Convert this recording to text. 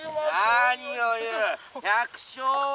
「何を言う百姓は国の宝。